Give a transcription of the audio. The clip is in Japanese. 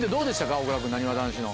大倉君なにわ男子の。